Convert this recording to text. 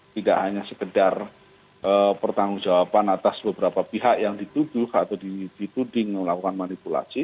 tidak hanya sekedar pertanggung jawaban atas beberapa pihak yang dituduh atau dituding melakukan manipulasi